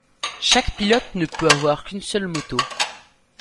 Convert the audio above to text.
Chaque pilote ne peut avoir qu'une seule moto.